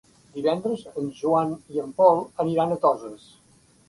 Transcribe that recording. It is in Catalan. Divendres en Joan i en Pol aniran a Toses.